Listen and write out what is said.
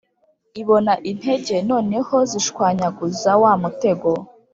ibona intege noneho zishwanyaguza wa mutego,